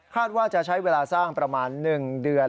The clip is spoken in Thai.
ว่าจะใช้เวลาสร้างประมาณ๑เดือน